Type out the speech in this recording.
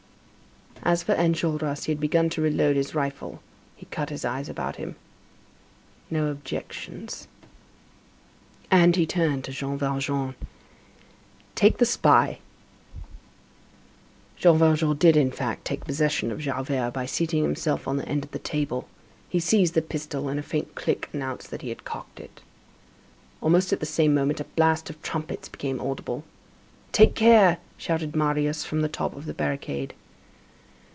As for Enjolras, he had begun to re load his rifle; he cut his eyes about him: "No objections." And he turned to Jean Valjean: "Take the spy." Jean Valjean did, in fact, take possession of Javert, by seating himself on the end of the table. He seized the pistol, and a faint click announced that he had cocked it. Almost at the same moment, a blast of trumpets became audible. "Take care!" shouted Marius from the top of the barricade.